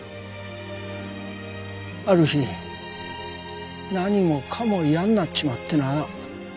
ある日何もかも嫌になっちまってな。